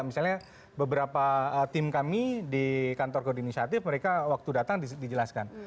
misalnya beberapa tim kami di kantor kode inisiatif mereka waktu datang dijelaskan